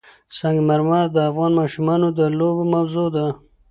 سنگ مرمر د افغان ماشومانو د لوبو موضوع ده.